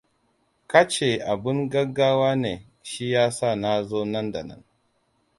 Kace abun gaggawa ne, shiyasa nazo nan da nan.